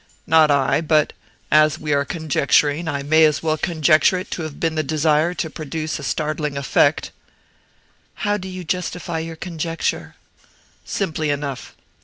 "Not I. But as we are conjecturing, I may as well conjecture it to have been the desire to produce a startling effect." "How do you justify your conjecture?" "Simply enough.